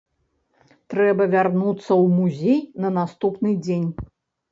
Трэба вярнуцца ў музей на наступны дзень.